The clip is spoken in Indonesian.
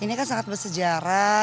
ini kan sangat bersejarah